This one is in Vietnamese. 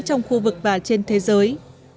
trong khu vực và trên thế giới